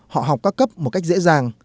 họ học các cấp một cách dễ dàng